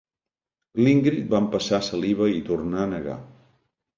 L'Ingrid va empassar saliva i tornà a negar.